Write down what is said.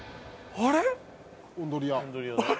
あれ？